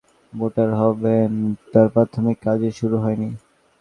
কারণ, এখন পর্যন্ত কারা কারা ভোটার হবেন তার প্রাথমিক কাজই শুরু হয়নি।